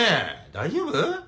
大丈夫？